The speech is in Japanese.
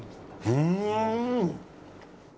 うん！